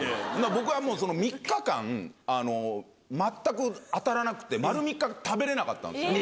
僕はもう３日間全く当たらなくて丸３日食べれなかったんですよ。